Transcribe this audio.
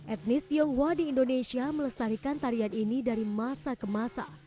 etnis tionghoa di indonesia melestarikan tarian ini dari masa ke masa